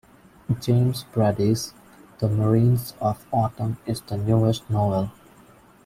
James Brady's, The Marines of Autumn is the newest novel.